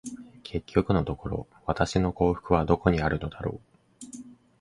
結局のところ、私の幸福はどこにあるのだろう。